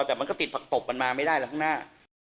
แต่มันก็ติดผักตบกันมาไม่ได้แล้วข้างหน้า